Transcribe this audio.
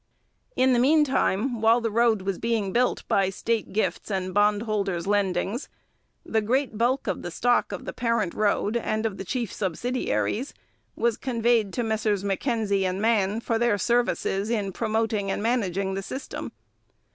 In the meantime, while the road was being built by state gifts and bondholders' lendings, the great bulk of the stock of the parent road and of the chief subsidiaries was conveyed to Messrs Mackenzie and Mann for their services in promoting and managing the system.